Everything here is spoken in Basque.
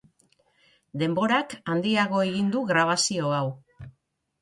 Denborak handiago egin du grabazio hau.